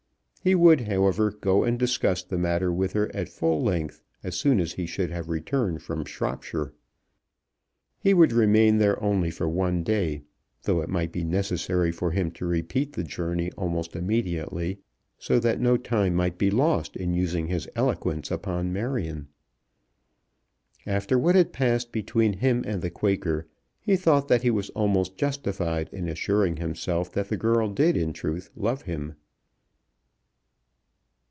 He would, however, go and discuss the matter with her at full length as soon as he should have returned from Shropshire. He would remain there only for one day, though it might be necessary for him to repeat the journey almost immediately, so that no time might be lost in using his eloquence upon Marion. After what had passed between him and the Quaker, he thought that he was almost justified in assuring himself that the girl did in truth love him.